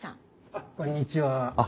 あっこんにちは。